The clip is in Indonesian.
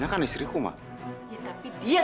kau yang apa